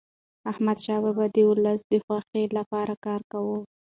احمدشاه بابا د ولس د خوښی لپاره کار کاوه.